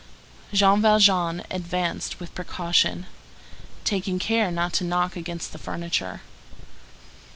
Jean Valjean advanced with precaution, taking care not to knock against the furniture.